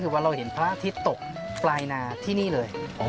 คือว่าเราเห็นพระอาทิตย์ตกปลายนาที่นี่เลย